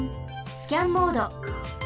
スキャンモード。